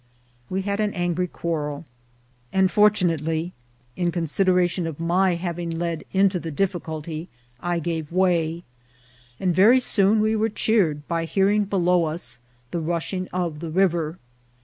We had an angry quarrel, and, fortunately, in consideration of my having VOL, IL— N 9 98 INCIDENTS OF TRAVEL. led into the difficulty, I gave way, and very soon we were cheered by hearing below us the rushing of the river.